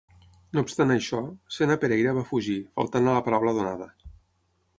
No obstant això, Sena Pereira va fugir, faltant a la paraula donada.